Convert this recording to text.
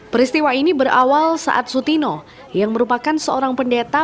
peristiwa ini berawal saat sutino yang merupakan seorang pendeta